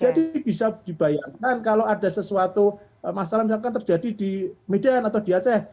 jadi bisa dibayangkan kalau ada sesuatu masalah misalkan terjadi di medan atau di aceh